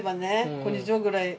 こんにちはぐらい。